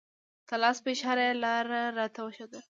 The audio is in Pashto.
د لاس په اشاره یې لاره راته وښودله.